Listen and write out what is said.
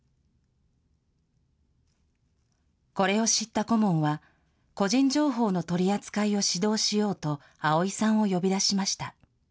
これを知った顧問は、個人情報の取り扱いを指導しようと、碧さんを呼び出しました。